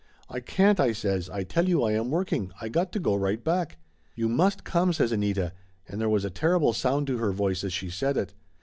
"I can't," I says. "I tell you I am working. I got to go right back." "You must come !" says Anita, and there was a ter rible sound to her voice as she said it.